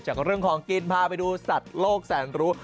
จากเรื่องของกินพาไปดูสัตว์โลกแสนรู้